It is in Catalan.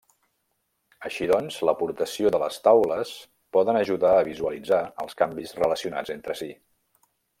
Així doncs, l'aportació de les taules poden ajudar a visualitzar els canvis relacionats entre si.